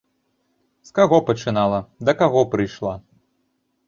З каго пачынала, да каго прыйшла?